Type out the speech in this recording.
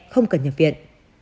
không cần nhập viện